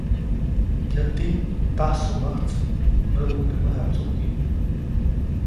Yäti, tajsuʼmäjtsi, nyäbuʼuŋ teʼ mäjatsuki.